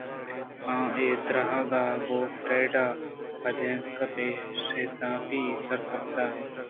آئی ءِ درآہگ ءَ گوں فریڈا پدیانکاں پہ اشتاپی سرکپاں ءَاتک